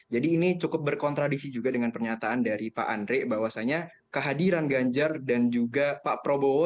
jadi ini cukup berkontradisi juga dengan pernyataan dari pak andri bahwasannya kehadiran ganjar dan juga pak probowo